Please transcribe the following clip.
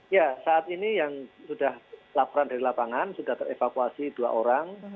ya saat ini yang sudah laporan dari lapangan sudah terevakuasi dua orang